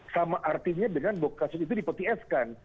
sama artinya dengan kasus itu dipetieskan